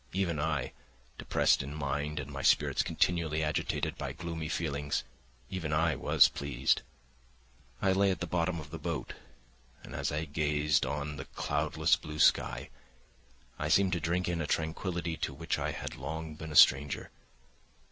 Even I, depressed in mind, and my spirits continually agitated by gloomy feelings, even I was pleased. I lay at the bottom of the boat, and as I gazed on the cloudless blue sky, I seemed to drink in a tranquillity to which I had long been a stranger.